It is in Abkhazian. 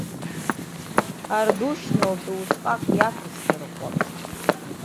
Ардушьна лтәы усҟацәак иақәысмырӷәӷәап.